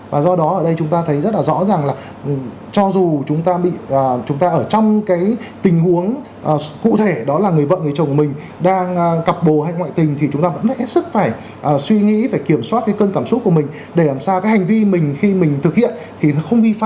và do đó ở đây chúng ta thấy rất là rõ ràng là cho dù chúng ta bị chúng ta ở trong cái tình huống cụ thể đó là người vợ người chồng mình đang cặp bồ hay ngoại tình thì chúng ta vẫn hết sức phải suy nghĩ phải kiểm soát cái cơn cảm xúc của mình để làm sao cái hành vi mình khi mình thực hiện thì nó không vi phạm